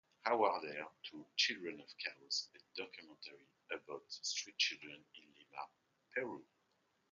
Awarded to "Children of chaos", a documentary about street children in Lima, Peru.